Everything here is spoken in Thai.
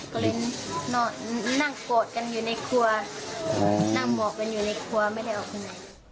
ก็เลยนั่งกอดกันอยู่ในครัวนั่งหมอบกันอยู่ในครัวไม่ได้ออกไปไหน